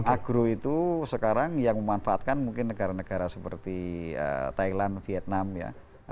agro itu sekarang yang memanfaatkan mungkin negara negara seperti thailand vietnam ya